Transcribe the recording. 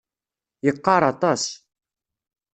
Yeqqar aṭas.